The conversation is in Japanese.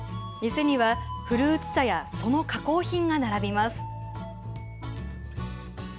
店には古内茶やその加工品が並びます。